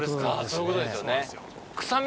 そういうことですよね。